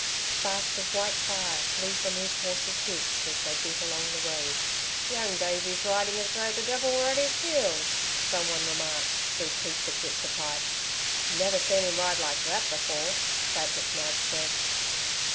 Sparks of white fire flew from his horse's hoofs as they beat along the road. "Young Davey's riding as though the devil were at his heels," someone remarked, through teeth that gripped a pipe. "Never seen him ride like that before," Thad McNab said.